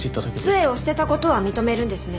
杖を捨てた事は認めるんですね？